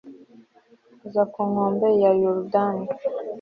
aza ku nkombe ya yorudani